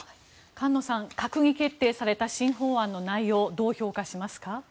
菅野さん、閣議決定された新法案の内容どう評価しますか？